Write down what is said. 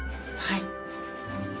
はい。